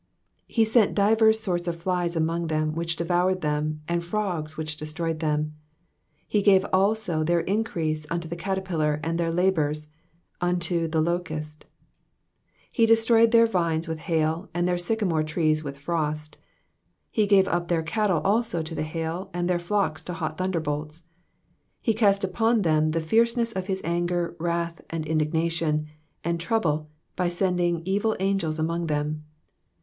45 He sent divers sorts of flies among them, which devoured them ; and frogs, which destroyed them. Digitized by VjOOQIC 444 EXPOSITIONS OF THE PSALMS. 46 He gave also their increase unto the caterpiller, and their labour unto the locust. 47 He destroyed their vines with hail, and their sycamore trees with frost. 48 He gave up their cattle also to the hail, and their flocks to hot thunderbolts. 49 He cast upon them the fierceness of his anger, wrath, and indignation, and trouble, by sending evil angels among them.